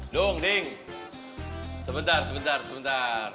dong ding sebentar sebentar